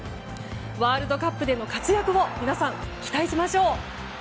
ワールドカップでの活躍を皆さん、期待しましょう。